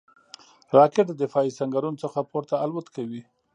راکټ د دفاعي سنګرونو څخه پورته الوت کوي